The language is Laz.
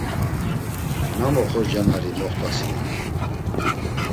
Nam oxorcanari moxtasinon?